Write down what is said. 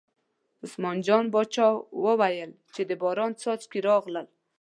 عثمان جان باچا وویل چې د باران څاڅکي راغلل.